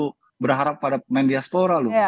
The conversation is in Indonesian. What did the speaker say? kita gak bisa selalu berharap pada main diaspora loh